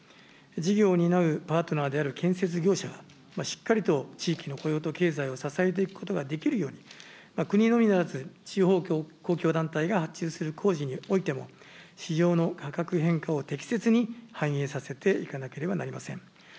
事業を担うパートナーである建設業者がしっかりと地域の雇用と経済を支えていくことができるように、国のみならず地方公共団体が発注する工事においても、市場の価格変化を適切に反映させていかなければなりません。